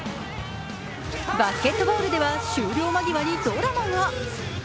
バスケットボールでは終了間際にドラマが。